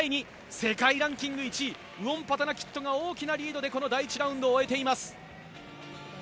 世界ランキング１位ウオンパタナキットが大きなリードで第１ラウンドを終えています。